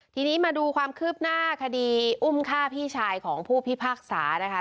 ทีนี้มาดูความคืบหน้าคดีอุ้มฆ่าพี่ชายของผู้พิพากษานะคะ